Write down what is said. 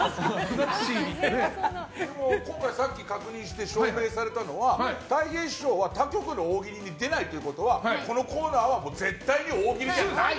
今回、さっき確認して証明されたのはたい平師匠は他局の大喜利に出ないということはこのコーナーは絶対に大喜利じゃないと。